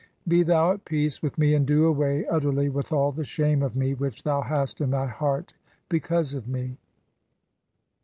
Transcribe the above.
Re thou at peace (5) with me and do away "utterly with all the shame of me which thou hast in thy heart "because of me."